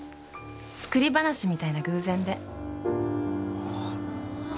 作り話みたいな偶然で。